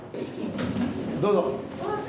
どうぞ。